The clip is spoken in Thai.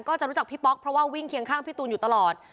ก็จะรู้จักพี่ป๊อกเพราะว่าวิ่งเคียงข้างพี่ตูนอยู่ตลอด